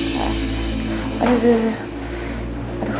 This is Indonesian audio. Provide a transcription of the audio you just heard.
tentang rasaku yang sederhana